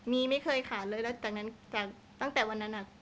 มีไม่เคยขาดเลยแล้วจากนั้นจากตั้งแต่วันนั้น